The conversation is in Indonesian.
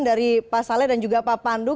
dari pak saleh dan juga pak pandu